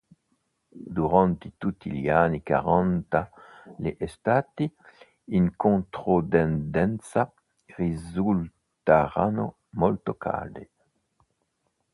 Durante tutti gli anni quaranta le estati, in controtendenza, risultarono molto calde.